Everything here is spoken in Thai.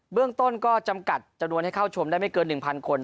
เรื่องต้นก็จำกัดจำนวนให้เข้าชมได้ไม่เกิน๑๐๐คน